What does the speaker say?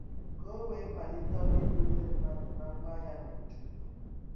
ka o wee malite ọrụ ibu ndị mmadụ na ngwaahịa n'uju.